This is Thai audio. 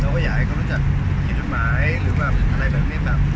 ว่าอยากให้เขารู้จักผิดกฎหมายหรือแบบอะไรแบบนี้แบบ